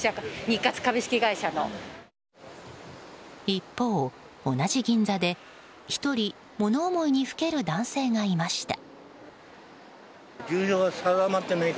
一方、同じ銀座で１人物思いにふける男性がいました。